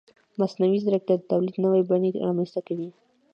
مصنوعي ځیرکتیا د تولید نوې بڼې رامنځته کوي.